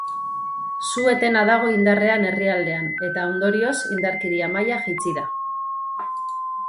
Su-etena dago indarrean herrialdean, eta, ondorioz, indarkeria-maila jaitsi da.